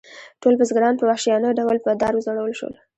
ټول بزګران په وحشیانه ډول په دار وځړول شول.